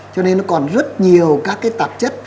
cho nên nó còn rất nhiều các cái tạp chất